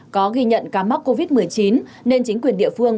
có ghi nhận ca mắc covid một mươi chín nên chính quyền địa phương